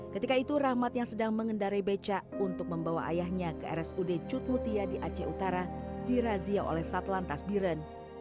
ketika itu rahmat yang sedang mengendarai beca untuk membawa ayahnya ke rsud cutmutia di aceh utara dirazia oleh satlantas biren